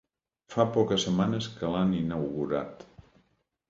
Fa poques setmanes que l'han inaugurat.